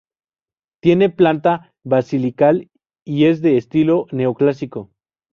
Tiene planta basilical y es de estilo neoclásico.